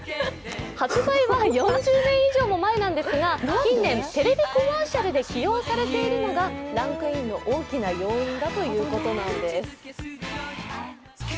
発売は４０年以上前なんですが近年、テレビコマーシャルで起用されているのがランクインの大きな要因だということです。